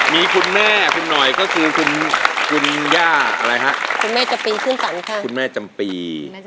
มีคุณแม่คุณหน่อยคือคุณย่าคุณแม่จมปี